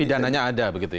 pidananya ada begitu ya